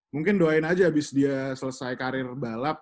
mungkin doain aja abis dia selesai karir balap